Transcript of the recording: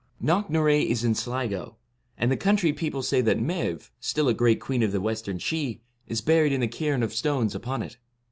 Knocknarea is in Sligo, and the country people say that Maeve, still a great queen of the western Sidhe, is buried in the cairn of stones upon it.